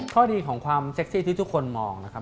ข้อดีของความเซ็กซี่ที่ทุกคนมองนะครับ